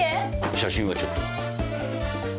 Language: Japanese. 写真はちょっと。